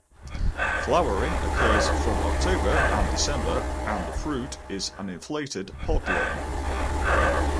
Flowering occurs from October and December and the fruit is an inflated pod long.